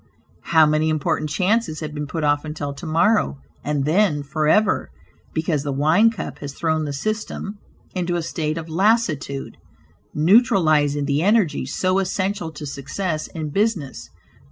How many important chances have been put off until to morrow, and then forever, because the wine cup has thrown the system into a state of lassitude, neutralizing the energies so essential to success in business.